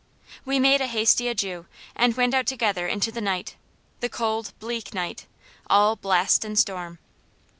We made a hasty adieu, and went out together into the night the cold, bleak night, all blast and storm.